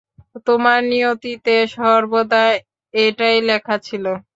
তোমার নিয়তিতে সর্বদা এটাই লেখা ছিলো।